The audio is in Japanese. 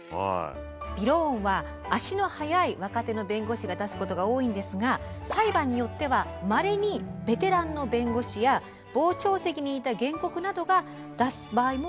びろーんは足の速い若手の弁護士が出すことが多いんですが裁判によってはまれにベテランの弁護士や傍聴席にいた原告などが出す場合もあるということです。